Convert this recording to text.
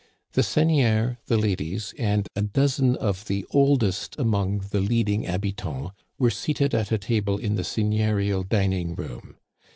The seigneur, the ladies, and a dozen of the oldest among the leading habitants y were seated at a table in the seigneurial dining room.